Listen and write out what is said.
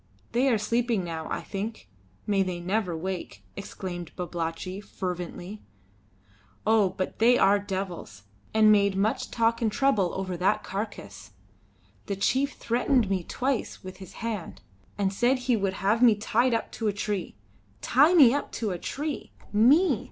"They are sleeping now, I think. May they never wake!" exclaimed Babalatchi, fervently. "Oh! but they are devils, and made much talk and trouble over that carcase. The chief threatened me twice with his hand, and said he would have me tied up to a tree. Tie me up to a tree! Me!"